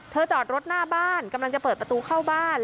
จอดรถหน้าบ้านกำลังจะเปิดประตูเข้าบ้าน